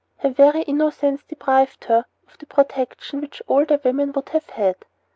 Her very innocence deprived her of the protection which older women would have had.